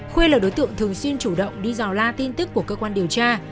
khuê là đối tượng thường xuyên chủ động đi dò la tin tức của cơ quan điều tra